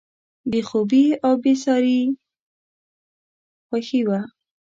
بې خوبي او بېساري خوښي وه.